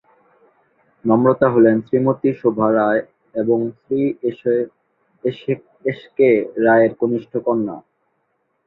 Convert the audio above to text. নম্রতা হলেন শ্রীমতী শোভা রায় এবং শ্রী এসকে রায়ের কনিষ্ঠ কন্যা।